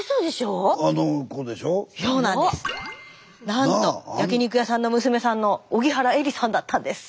なんと焼き肉屋さんの娘さんの荻原詠理さんだったんです。